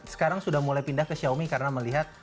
sekarang sudah mulai pindah ke xiaomi karena melihat